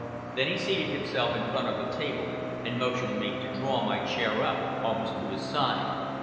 Then he seated himself in front of the table and motioned me to draw my chair up almost to his side.